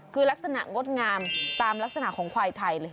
คือลักษณะงดงามตามลักษณะของควายไทยเลย